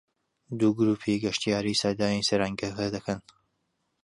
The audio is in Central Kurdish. دوو گرووپی گەشتیاری سەردانی سەیرانگەکە دەکەن